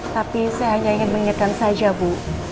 tapi saya hanya ingin mengingatkan saja bu